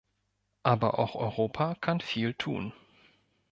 Aber auch Europa kann viel tun.